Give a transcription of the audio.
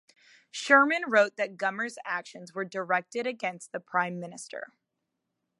Sherman wrote that Gummer's actions were "directed against the Prime Minister".